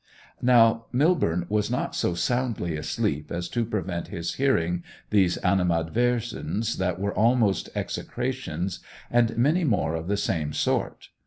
Now Millborne was not so soundly asleep as to prevent his hearing these animadversions that were almost execrations, and many more of the same sort.